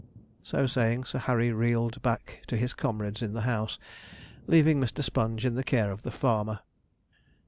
So saying, Sir Harry reeled back to his comrades in the house, leaving Mr. Sponge in the care of the farmer.